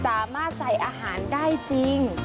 สามารถใส่อาหารได้จริง